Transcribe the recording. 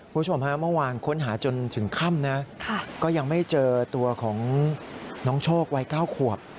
คุณผู้ชมฮะเมื่อวานค้นหาจนถึงค่ำนะก็ยังไม่เจอตัวของน้องโชควัย๙ขวบ